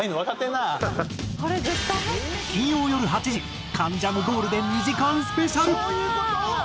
金曜よる８時『関ジャム』ゴールデン２時間スペシャル。